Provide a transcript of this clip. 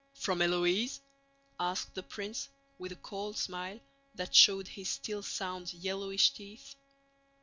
"From Héloïse?" asked the prince with a cold smile that showed his still sound, yellowish teeth.